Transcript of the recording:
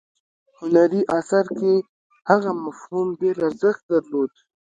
هنري اثر کې هغه مفهوم ډیر ارزښت درلود.